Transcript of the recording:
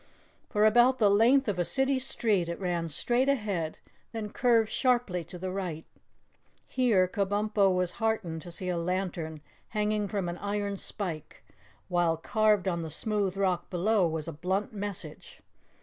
For about the length of a city street it ran straight ahead, then curved sharply to the right. Here Kabumpo was heartened to see a lantern hanging from an iron spike, while carved on the smooth rock below was a blunt message.